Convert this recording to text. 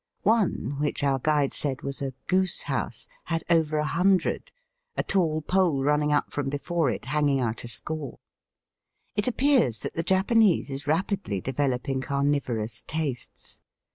One, which our guide said was " a goose house," had over a hundred, a tall pole running up from before it hanging out a score. It appears that the Japanese is rapidly de veloping carnivorous tastes.